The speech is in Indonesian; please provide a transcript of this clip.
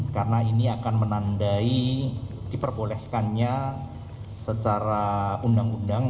karena ini akan menandai diperbolehkannya secara undang undang